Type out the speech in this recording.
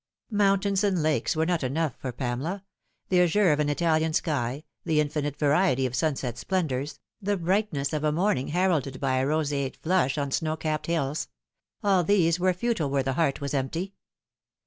Mountains and lakes were not enough for Pamela the azure of an Italian sky, the infinite variety of sunset splendours, the brightness of a morning heralded by a roseate flush on snow capped hills all these were futile where the heart was empty.